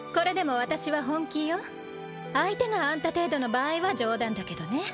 相手があんた程度の場合は冗談だけどね。